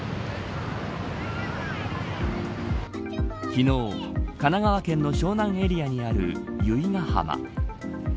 昨日、神奈川県の湘南エリアにある由比ケ浜。